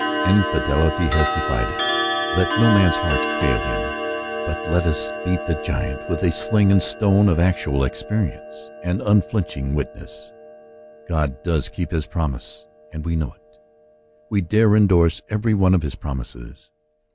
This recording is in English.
Infidelity has defied us? let no man's heart fail him, but let us meet the giant with the sling Endorsing the Promise, 99 a.nd stone of actual experience, and unflinching "witness. God does keep his promise^ and we know it. We dare endorse every one of his promises.